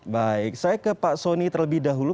baik saya ke pak soni terlebih dahulu